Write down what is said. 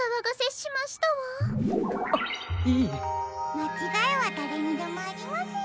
まちがいはだれにでもありますよ。